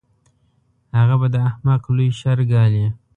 هغه به د احمق لوی شر ګالي.